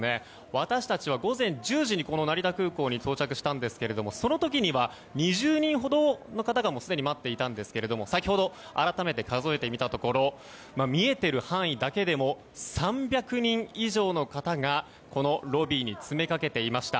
私たちは午前１０時に成田空港に到着したんですけれどもその時には２０人ほどの方がすでに待っていたんですけれども先ほど、改めて数えてみたところ見えている範囲だけでも３００人以上の方がこのロビーに詰めかけていました。